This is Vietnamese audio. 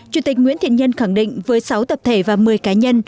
chủ tịch nguyễn thiện nhân khẳng định với sáu tập thể và một mươi cá nhân